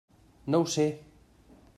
No ho sé!